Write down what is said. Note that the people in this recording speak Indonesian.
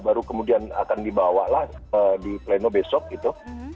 baru kemudian akan dibawalah di pleno besok gitu